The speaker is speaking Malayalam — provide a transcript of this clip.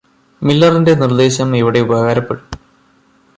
മില്ലറിന്റെ നിർദേശം ഇവിടെ ഉപകാരപ്പെടും